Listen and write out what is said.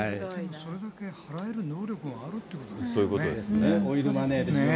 それだけ払える能力があるっていうことですね。